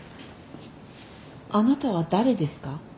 あなたは誰ですか？